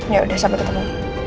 yaudah sampai ketemu